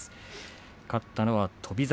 勝ったのは翔猿。